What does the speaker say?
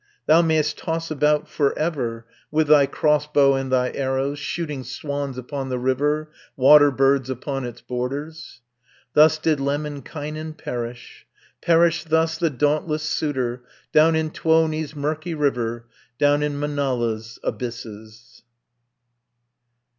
"Thou may'st toss about for ever, With thy crossbow and thy arrows, Shooting swans upon the river, Water birds upon its borders!" Thus did Lemminkainen perish, Perished thus the dauntless suitor, Down in Tuoni's murky river, Down in Manala's abysses.